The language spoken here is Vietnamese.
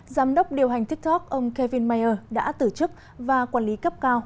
giám đốc điều hành tiktok ông kevin mayer đã tử chức và quản lý cấp cao